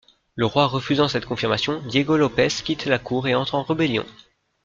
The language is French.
Le roi refusant cette confirmation, Diego Lopez quitte la cour et entre en rebellion.